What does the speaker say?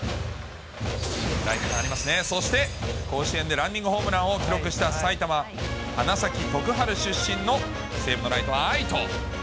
そして甲子園でランニングホームランを記録した埼玉・花咲徳栄出身の西武の愛斗。